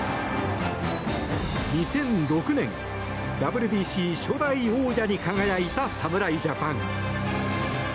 ２００６年ＷＢＣ初代王者に輝いた侍ジャパン。